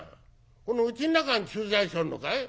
このうちん中に駐在所あんのかい？」。